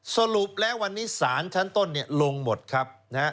สรุปแล้ววันนี้ศาลชั้นต้นลงหมดครับ